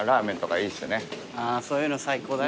そういうの最高だね。